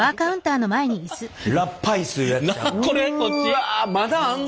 うわまだあんの？